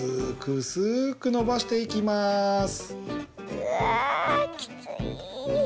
うわあきつい。